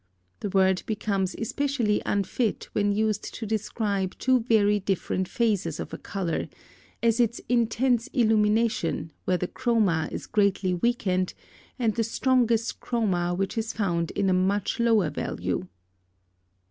The word becomes especially unfit when used to describe two very different phases of a color, as its intense illumination, where the chroma is greatly weakened, and the strongest chroma which is found in a much lower value.